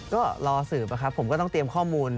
ก็รอสืบครับผมก็ต้องเตรียมข้อมูล